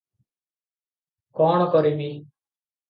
କଣ କରିବି?